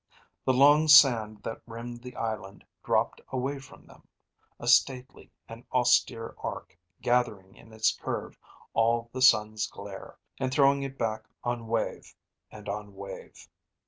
The long sand that rimmed the island dropped away from them, a stately and austere arc gathering in its curve all the sun's glare, and throwing it back on wave, and on wave.